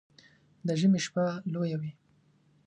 د ژمي شپه لويه وي